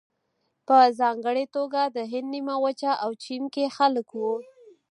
په ځانګړې توګه د هند نیمه وچه او چین کې خلک وو.